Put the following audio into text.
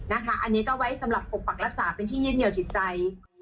อันนี้ก็ไว้สำหรับปกปักรักษาเป็นที่ยึดเหนียวจิตใจ